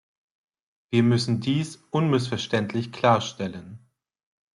Wir müssen dies unmissverständlich klarstellen.